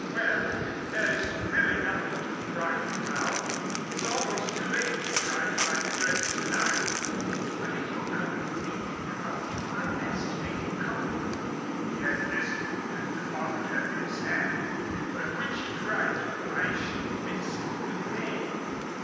"Well, there's really nothing to be frightened about. It's almost too late to try to find your friends to night, but if you'll come with me I'll do my best to make you comfortable." He had risen and offered her his hand, but when she tried to rise she winced with pain.